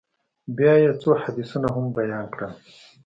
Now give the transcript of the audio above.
بيا يې څو حديثونه هم بيان کړل.